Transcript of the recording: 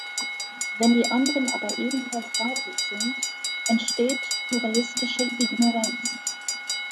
Wenn die anderen aber ebenfalls ratlos sind, entsteht "pluralistische Ignoranz".